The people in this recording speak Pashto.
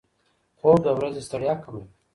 خوب د ورځې ستړیا کموي.